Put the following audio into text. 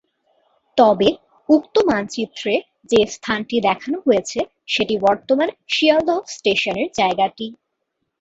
তবে উক্ত মানচিত্রে যে স্থানটি দেখানো হয়েছে সেটি বর্তমান শিয়ালদহ স্টেশনের জায়গাটি।